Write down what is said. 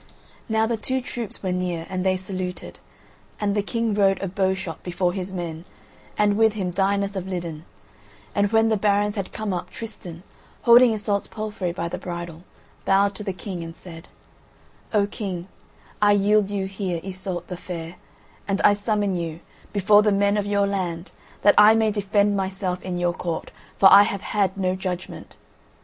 Now the two troops were near and they saluted, and the King rode a bow shot before his men and with him Dinas of Lidan; and when the barons had come up, Tristan, holding Iseult's palfrey by the bridle, bowed to the King and said: "O King, I yield you here Iseult the Fair, and I summon you, before the men of your land, that I may defend myself in your court, for I have had no judgment.